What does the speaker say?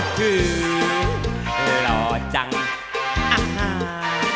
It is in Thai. อึฮือหล่อจังอ่ะฮ่า